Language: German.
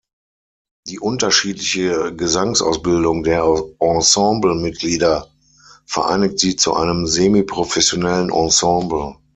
Die unterschiedliche Gesangsausbildung der Ensemblemitglieder vereinigt sie zu einem semiprofessionellen Ensemble.